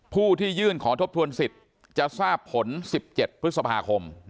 ผู้ที่ยื่นขอทบทวนสิทธิ์จะทราบผล๑๗พฤษภาคม